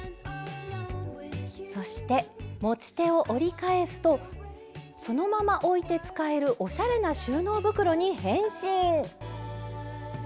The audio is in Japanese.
そして持ち手を折り返すとそのまま置いて使えるおしゃれな収納袋に変身！